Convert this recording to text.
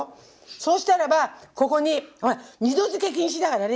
そうしたらばここに２度づけ禁止だからね